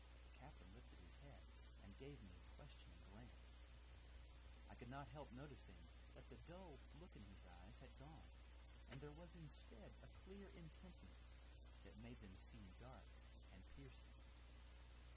The captain lifted his head and gave me a questioning glance. I could not help noticing that the dulled look in his eyes had gone, and there was instead a clear intentness that made them seem dark and piercing.